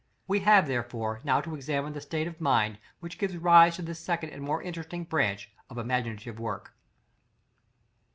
We have, therefore, now to examine the state of mind which gave rise to this second and more interesting branch of imaginative work.